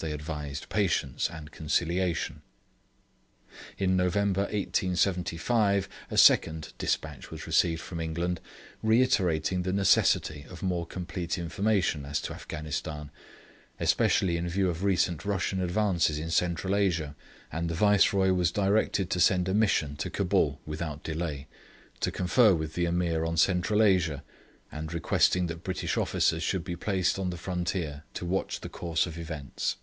They advised patience and conciliation. In November 1875 a second despatch was received from England, reiterating the necessity of more complete information as to Afghanistan, especially in view of recent Russian advances in Central Asia; and the Viceroy was directed to send a Mission to Cabul without delay, to confer with the Ameer on Central Asia, and requesting that British officers should be placed on the frontier to watch the course of events.